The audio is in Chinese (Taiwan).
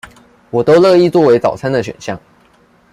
我都樂意作為早餐的選項